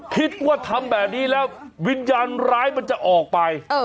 คิดว่าทำแบบนี้แล้ววิญญาณร้ายมันจะออกไป